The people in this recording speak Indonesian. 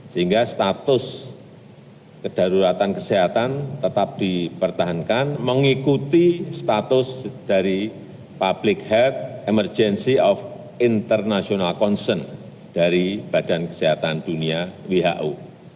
sehingga status kedaruratan kesehatan tetap dipertahankan mengikuti status dari public health emergency of international concern dari badan kesehatan dunia who